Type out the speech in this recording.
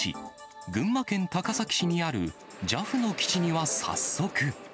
群馬県高崎市にあるＪＡＦの基地には早速。